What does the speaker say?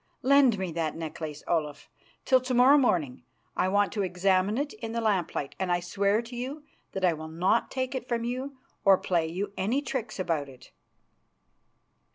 Lend me that necklace, Olaf, till to morrow morning. I want to examine it in the lamplight, and I swear to you that I will not take it from you or play you any tricks about it."